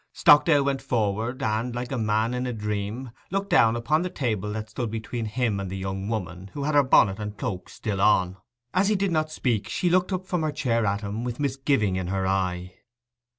Stockdale went forward, and, like a man in a dream, looked down upon the table that stood between him and the young woman, who had her bonnet and cloak still on. As he did not speak, she looked up from her chair at him, with misgiving in her eye.